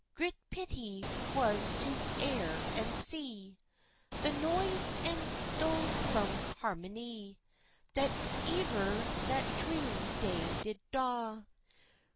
Grit pitie was to heir and se The noys and dulesum hermonie, That evir that dreiry day did daw!